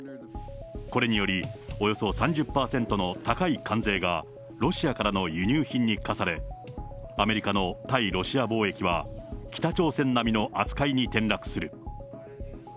これにより、およそ３０％の高い関税が、ロシアからの輸入品に課され、アメリカの対ロシア貿易は、北朝鮮並みの扱いに転落する。